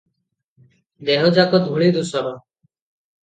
ଦେହଯାକ ଧୂଳିଧୂସର ।